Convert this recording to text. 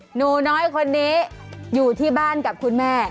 หนูน้อยคนนี้อยู่ที่บ้านกับคุณแม่